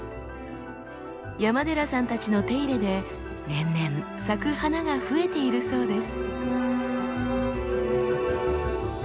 山寺さんたちの手入れで年々咲く花が増えているそうです。